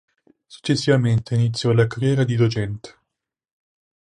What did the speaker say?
Successivamente iniziò la carriera di docente.